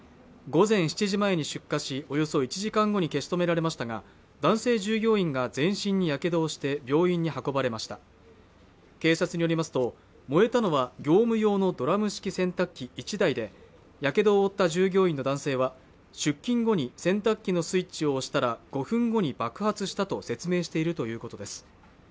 午前７時前に出火しおよそ１時間後に消し止められましたが男性従業員が全身にやけどをして病院に運ばれました警察によりますと燃えたのは業務用のドラム式洗濯機１台でやけどを負った従業員の男性は出勤後に洗濯機のスイッチを押したら５分後に爆発したと説明しているということです